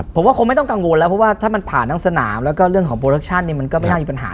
ผมว่าคงไม่ต้องกังวลแล้วเพราะว่าถ้ามันผ่านทั้งสนามแล้วก็เรื่องของโปรดักชั่นเนี่ยมันก็ไม่น่ามีปัญหา